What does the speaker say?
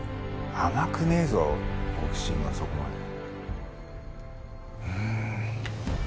甘くねえぞボクシングはそこまで。